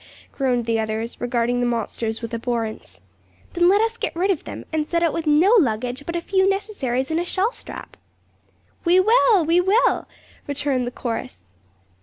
groaned the others, regarding the monsters with abhorrence. 'Then let us get rid of them, and set out with no luggage but a few necessaries in a shawl strap.' 'We will! we will!' returned the chorus.